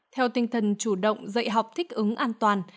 theo tinh thần chủ động dạy học thích ứng an toàn